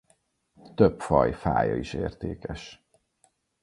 Több faj fája is értékes.